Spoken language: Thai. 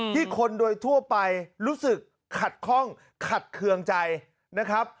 คนโดยทั่วไปรู้สึกขัดข้องขัดเคืองใจนะครับ